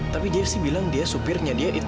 tapi dia sih bilang dia supirnya dia